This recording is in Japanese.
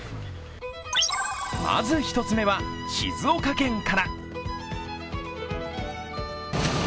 まず１つ目は、静岡県から。